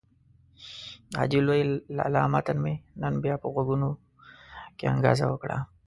د حاجي لوی لالا متل مې نن بيا په غوږونو کې انګازه وکړه.